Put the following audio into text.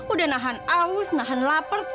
udah nahan aus nahan lapar